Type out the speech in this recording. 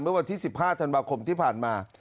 เมื่อวันที่๑๕ธันวาคมที่ผ่านมา